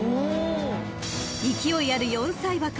［いきおいある４歳馬か？］